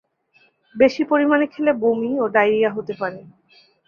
বেশি পরিমানে খেলে বমি ও ডায়রিয়া হতে পারে।